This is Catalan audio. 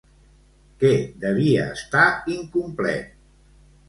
Què devia estar incomplet?